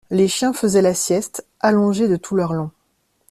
Les chiens faisaient la sieste, allongés de tout leur long.